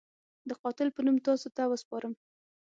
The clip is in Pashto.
د قاتل په نوم تاسو ته وسپارم.